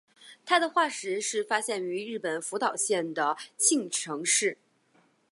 它的化石是发现于日本福岛县的磐城市。